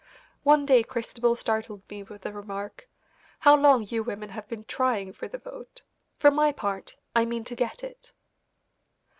One day Christabel startled me with the remark: "How long you women have been trying for the vote. For my part, I mean to get it."